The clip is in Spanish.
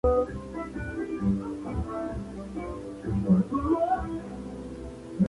Dependiendo de la marca, los puntos negros pueden desaparecer durante la cocción.